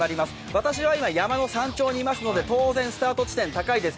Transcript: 私は今、山の山頂にいますので当然高いです。